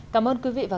và vượt dài lên